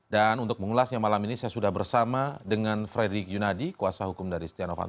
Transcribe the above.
dan untuk mengulasnya malam ini saya sudah bersama dengan fredrik yunadi kuasa hukum dari setia novanto